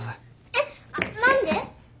えっ何で？